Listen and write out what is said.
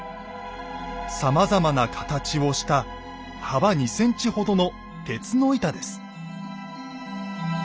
さまざまな形をした幅２ｃｍほどの鉄の板です。